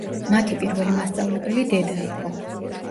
მათი პირველი მასწავლებელი დედა იყო.